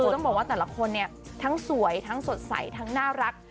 คือต้องบอกว่าแต่ละคนเนี่ยทั้งสวยทั้งสดใสทั้งน่ารัก